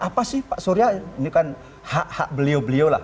apa sih pak surya ini kan hak hak beliau beliau lah